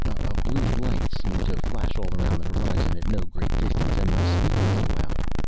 A blue light seemed to flash all around the horizon at no great distance and my speaker blew out.